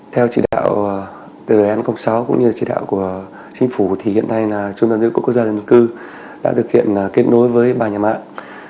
theo chỉ đạo tn sáu cũng như chỉ đạo của chính phủ thì hiện nay là trung tâm dữ liệu quốc gia về dân cư đã thực hiện kết nối với ba nhà mạng